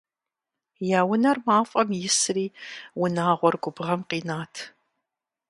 Я унэр мафӀэм исри, унагъуэр губгъуэм къинат.